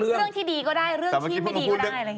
เรื่องที่ดีก็ได้เรื่องที่ไม่ดีก็ได้อะไรอย่างนี้